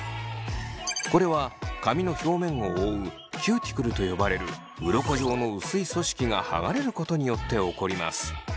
これは髪の表面を覆うキューティクルと呼ばれるうろこ状の薄い組織が剥がれることによって起こります。